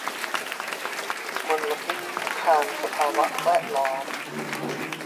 มลพิษทางสภาวะแวดล้อม